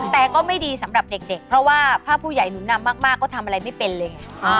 แต่ก็ไม่ดีสำหรับเด็กเพราะว่าถ้าผู้ใหญ่หนุนนำมากก็ทำอะไรไม่เป็นเลยไง